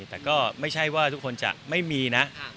แต่ก็ไม่ใช่ว่าทุกคนจะไม่มีนะ